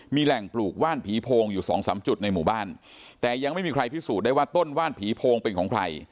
มีแหล่งปลูกว่านผีโพงอยู่สองสามจุดในหมู่บ้านแต่ยังไม่มีใครพิสูจน์ได้ว่าต้นว่านผีโพงเป็นของใคร